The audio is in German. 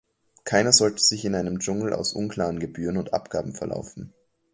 Keiner sollte sich in einem Dschungel aus unklaren Gebühren und Abgaben verlaufen.